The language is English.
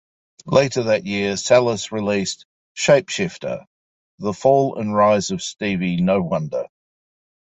Later that year Salas released "Shapeshifter: The Fall and Rise of Stevie No-Wonder".